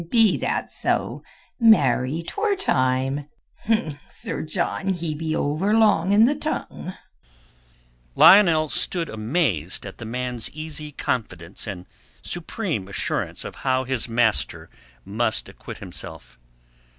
"Be that so? Marry, 'twere time. Sir John he be over long i' th' tongue." Lionel stood amazed at the man's easy confidence and supreme assurance of how his master must acquit himself.